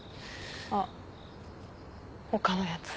あっ他のやつ。